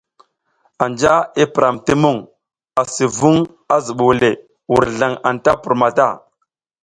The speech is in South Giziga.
Anja i piram ti mung asi vung a zubole, wurzlang anta pur mata.